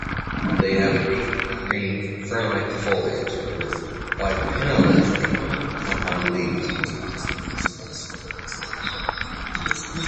They have a deep-green fernlike foliage, with bipinnately compound leaves.